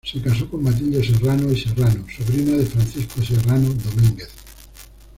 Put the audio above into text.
Se casó con Matilde Serrano y Serrano, sobrina de Francisco Serrano Domínguez.